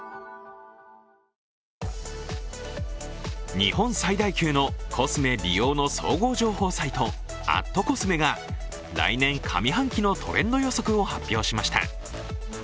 日本最大級のコスメ・美容の総合美容サイト、＠ｃｏｓｍｅが来年上半期のトレンド予測を発表しました。